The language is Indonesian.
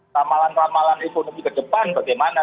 ramalan ramalan ekonomi ke depan bagaimana